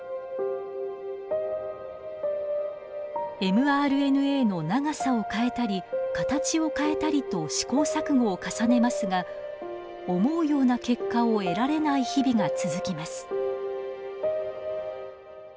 ｍＲＮＡの長さを変えたり形を変えたりと試行錯誤を重ねますが思うような結果を得られない日々が続きます。